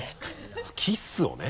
キッスをね。